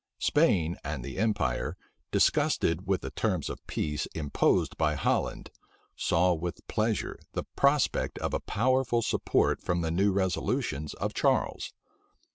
Spain and the empire, disgusted with the terms of peace imposed by Holland, saw with pleasure the prospect of a powerful support from the new resolutions of Charles.